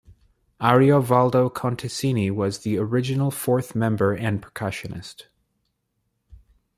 Ariovaldo Contesini was the original fourth member and percussionist.